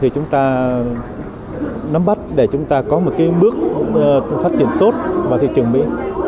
và nắm bắt để chúng ta có một cái bước phát triển tốt vào thị trường mỹ